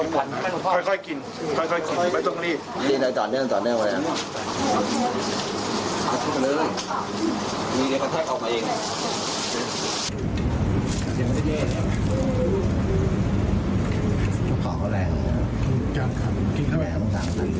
เอาไปกันเลยนี่เดี๋ยวก็แท็กออกมาเอง